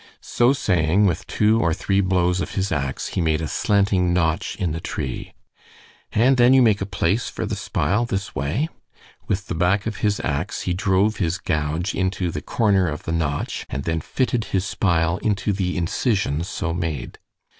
So saying, with two or three blows of his ax, he made a slanting notch in the tree. "And then you make a place for the spile this way." With the back of his ax he drove his gouge into the corner of the notch, and then fitted his spile into the incision so made.